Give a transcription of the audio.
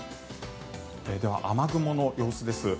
では、雨雲の様子です。